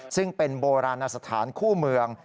ซึ่งเป็นโบราณสถานคู่เมือง